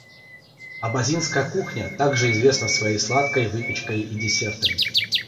Абазинская кухня также известна своей сладкой выпечкой и десертами.